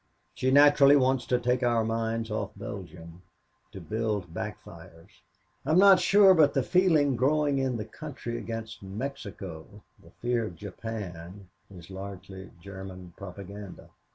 She naturally wants to take our minds off Belgium to build back fires. I am not sure but the feeling growing in the country against Mexico the fear of Japan is largely German propaganda.